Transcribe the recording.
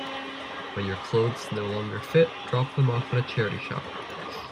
When your clothes no longer fit, drop them off at a charity shop.